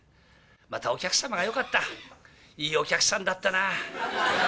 またお客様がよかった、いいお客さんだったな。